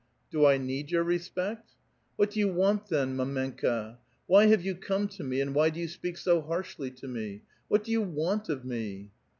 '' Do I need your respect?" "What do you want, then, mdmenJcaf Why have you come to me, and why do you speak so harshly to me? What do vou want of me